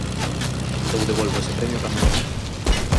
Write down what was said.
Eu devolvo ese premio cando queiran.